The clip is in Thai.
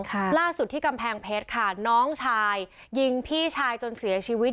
ล่าสุดที่กำแพงเพชรค่ะน้องชายยิงพี่ชายจนเสียชีวิต